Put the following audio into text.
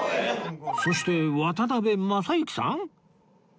そして渡辺正行さん！？